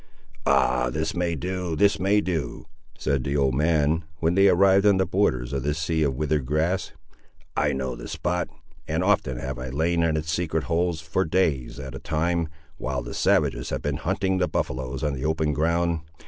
"Ah, this may do, this may do," said the old man, when they arrived on the borders of this sea of withered grass. "I know the spot, and often have I lain in its secret holes, for days at a time, while the savages have been hunting the buffaloes on the open ground.